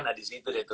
nah di situ di situ